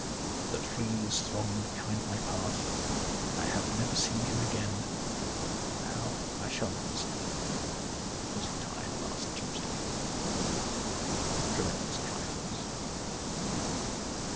The trees thronged behind my path ; I have never seen him again ; and now I shall not see him, because he died last Tuesday, ' Tremendous Trifles.